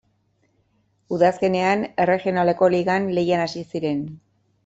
Udazkenean, Erregionaleko Ligan lehian hasi ziren.